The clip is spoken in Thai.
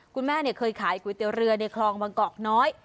คุณแม่เคยขายก๋วยเตี๋ยวเรือในคลองบางกอกน้อย